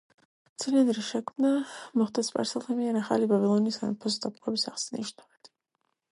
ცილინდრის შექმნა მოხდა სპარსელთა მიერ ახალი ბაბილონის სამეფოს დაპყრობის აღსანიშნავად.